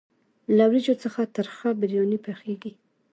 له وریجو څخه ترخه بریاني پخیږي.